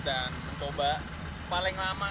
dan mencoba paling lama